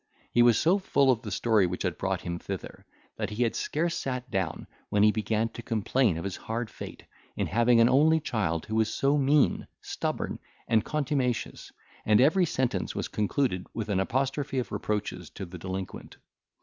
He was so full of the story which had brought him thither, that he had scarce sat down when he began to complain of his hard fate, in having an only child who was so mean, stubborn, and contumacious; and every sentence was concluded with an apostrophe of reproaches to the delinquent.